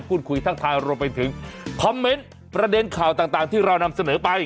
พูดคุยทักทายรวมไปถึงคอมเมนต์ประเด็นข่าวต่างที่เรานำเสนอไป